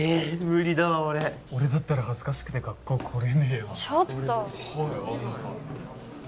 無理だわ俺俺だったら恥ずかしくて学校来れねえわちょっと！